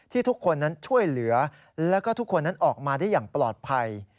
ทุกคนนั้นช่วยเหลือแล้วก็ทุกคนนั้นออกมาได้อย่างปลอดภัย